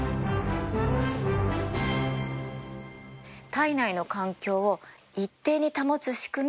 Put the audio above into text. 体内の環境を一定に保つ仕組みが免疫。